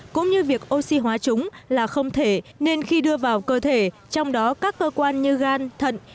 cũng như việc oxy hóa chúng là không thể nên khi đưa vào cơ thể trong đó các cơ quan như gan thận